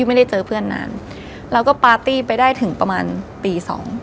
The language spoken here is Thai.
ไม่ได้เจอเพื่อนนานแล้วก็ปาร์ตี้ไปได้ถึงประมาณตีสอง